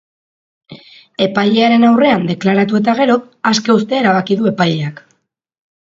Epailearen aurrean deklaratu eta gero, aske uztea erabaki du epaileak.